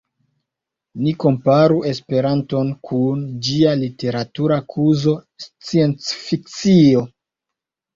Ni komparu Esperanton kun ĝia literatura kuzo sciencfikcio.